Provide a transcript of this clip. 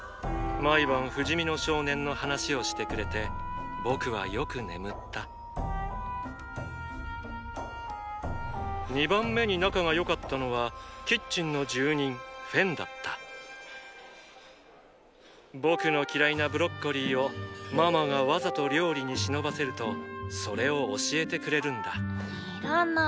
毎晩不死身の少年の話をしてくれて僕はよく眠った２番目に仲が良かったのはキッチンの住人フェンだった僕の嫌いなブロッコリーをママがわざと料理にしのばせるとそれを教えてくれるんだいらない。